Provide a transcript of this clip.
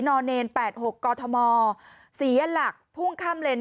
นอนเนนแปดหกกฎธมอลศียลหลักพุ่งค่ำเลน